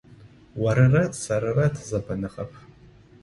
Орырэ сэрырэ тызэбэныгъэп.